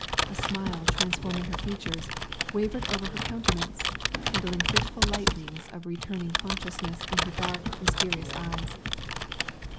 A smile, transforming her features, wavered over her countenance, kindling fitful lightnings of returning consciousness in her dark, mysterious eyes.